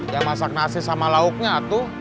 ya masak nasi sama lauknya tuh